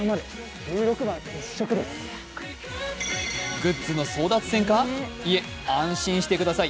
グッズの争奪戦か、いえ、安心してください。